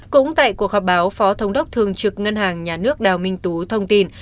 cũng tại cuộc họp báo phó thống đốc thường trực ngân hàng nhà nước đào minh tú thông tin